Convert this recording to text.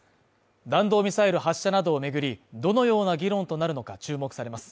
弾道ミサイル発射などを巡り、どのような議論となるのか注目されます。